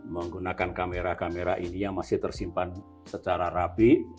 menggunakan kamera kamera ini yang masih tersimpan secara rapi